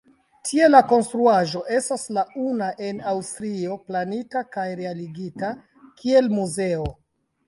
Tiel la konstruaĵo estas la una en Aŭstrio planita kaj realigita kiel muzeo.